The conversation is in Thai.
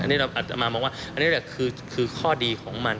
อันนี้เราอาจจะมามองว่าอันนี้แหละคือข้อดีของมัน